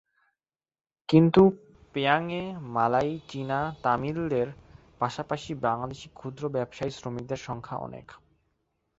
কিন্তু পেনাংয়ে মালয়ি, চীনা, তামিলদের পাশাপাশি বাংলাদেশি ক্ষুদ্র ব্যবসায়ী, শ্রমিকদের সংখ্যা অনেক।